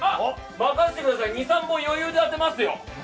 任せてください２３本余裕で当てますよ！